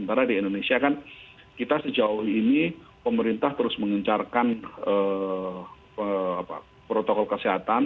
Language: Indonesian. karena di indonesia kan kita sejauh ini pemerintah terus mengencarkan protokol kesehatan